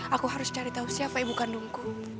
aku harus cari tahu siapa ibu kandungku